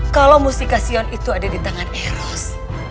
kalau mustika xion itu ada di tangan eros